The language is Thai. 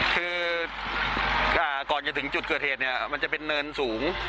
คือก่อนจะถึงจุดเกิดเหตุเนี่ยมันจะเป็นเนินสูง